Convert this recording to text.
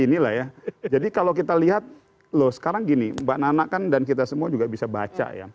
inilah ya jadi kalau kita lihat loh sekarang gini mbak nana kan dan kita semua juga bisa baca ya